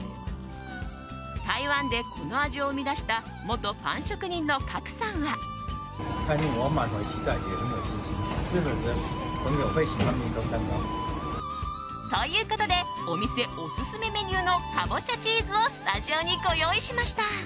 台湾でこの味を生み出した元パン職人のカクさんは。ということでお店オススメメニューのかぼちゃチーズをスタジオにご用意しました。